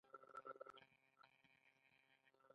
دا پروسه د قدرت د لیږد سره ډیره مرسته کوي.